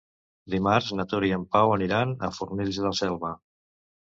Dimarts na Tura i en Pau aniran a Fornells de la Selva.